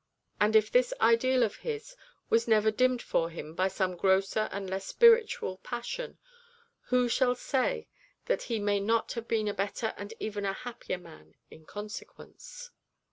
And if this ideal of his was never dimmed for him by some grosser, and less spiritual, passion, who shall say that he may not have been a better and even a happier man in consequence.